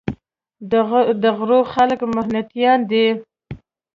د غرونو خلک محنتيان دي ـ